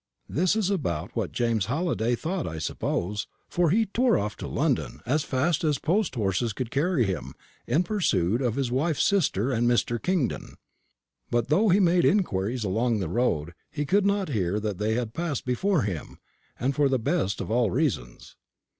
This is about what James Halliday thought, I suppose; for he tore off to London, as fast as post horses could carry him, in pursuit of his wife's sister and Mr. Kingdon. But though he made inquiries all along the road he could not hear that they had passed before him, and for the best of all reasons.